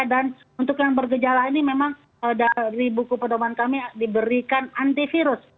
dan untuk yang bergejala ini memang dari buku pedoman kami diberikan antivirus